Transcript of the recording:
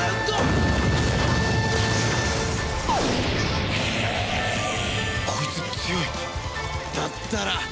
だったら。